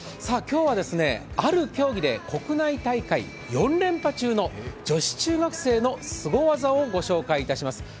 今日はある競技で国内大会４連覇中の女子中学生のすご技を御紹介しますｎ。